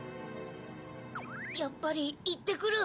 やっぱりいってくる。